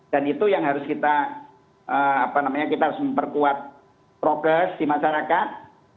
dan itu yang harus kita apa namanya kita harus memperkuat progres di masyarakat